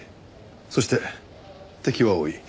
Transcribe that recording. そして敵は多い。